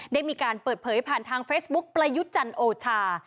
ได้มีการเปิดเผยผ่านทางเฟซบุ๊คประยุทธ์จันทร์โอชา